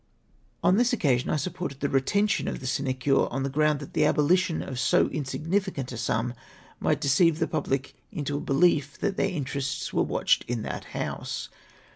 On this occasion I supported the retention of the sine cm^e, on the ground that the abohtion of so insignificant a sum might deceive the jmhlic into a belief that their interests were ivatched in that House.